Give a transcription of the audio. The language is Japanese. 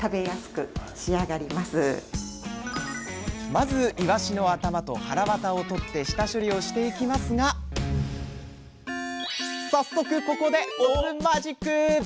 まずいわしの頭とはらわたを取って下処理をしていきますが早速ここでお酢マジック！